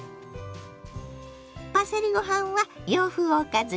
パセリご飯は洋風おかずにピッタリ。